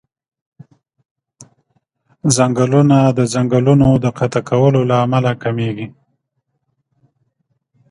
ځنګلونه د ځنګلونو د قطع کولو له امله کميږي.